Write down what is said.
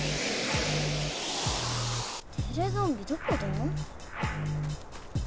テレゾンビどこだ？